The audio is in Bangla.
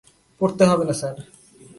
পড়তে হবে না স্যার।